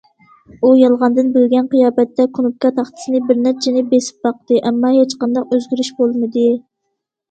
ئۇ يالغاندىن بىلگەن قىياپەتتە كۇنۇپكا تاختىسىنى بىر نەچچىنى بېسىپ باقتى، ئەمما ھېچقانداق ئۆزگىرىش بولمىدى.